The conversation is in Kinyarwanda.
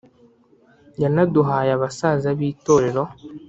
Yanaduhaye abasaza b’itorero